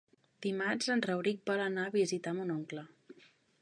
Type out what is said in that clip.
Dimarts en Rauric vol anar a visitar mon oncle.